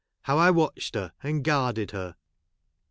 Iioav I Avatched her, and guarded her